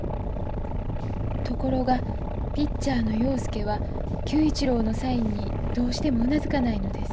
「ところがピッチャーの陽介は久一郎のサインにどうしてもうなずかないのです。